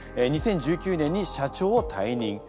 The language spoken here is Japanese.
２０１９年に社長を退任。